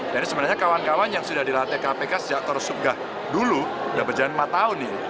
dan sebenarnya kawan kawan yang sudah dilatih kpk sejak korus subgah dulu sudah berjalan empat tahun ini